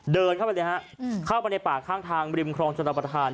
เดินเข้าไปเลยฮะเข้าไปในป่าข้างทางริมครองชนประธาน